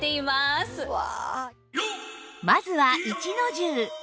まずは一の重